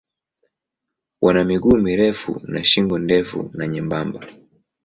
Wana miguu mirefu na shingo ndefu na nyembamba.